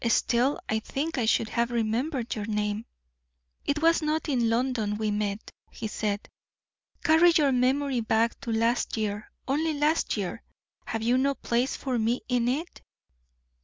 Still, I think I should have remembered your name." "It was not in London we met," he said. "Carry your memory back to last year only last year. Have you no place for me in it?"